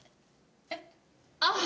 えっあっ。